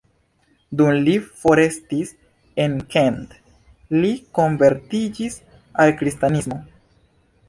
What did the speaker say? Dum li forestis en Kent li konvertiĝis al kristanismo.